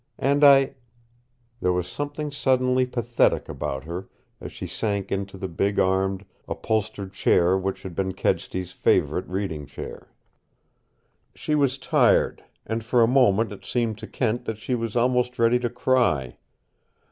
And I " There was something suddenly pathetic about her, as she sank into the big armed, upholstered chair which had been Kedsty's favorite reading chair. She was tired, and for a moment it seemed to Kent that she was almost ready to cry.